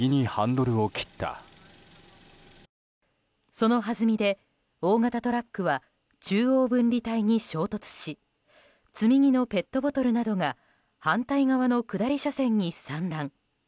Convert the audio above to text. そのはずみで大型トラックは中央分離帯に衝突し積み荷のペットボトルなどが反対側の下り車線に散乱。